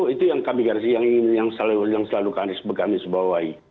itu yang kami garisbawahi